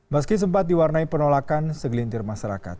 meski sempat diwarnai penolakan segelintir masyarakat